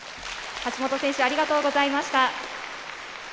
橋本選手、ありがとうございました。